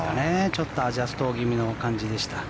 ちょっとアジャスト気味でした。